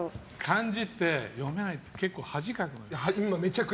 漢字って読めないと結構、恥かくんだよ。